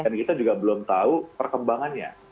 dan kita juga belum tahu perkembangannya